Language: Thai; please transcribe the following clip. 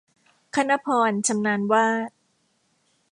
คณภรณ์ ชำนาญวาด